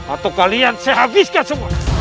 atau kalian saya habiskan semua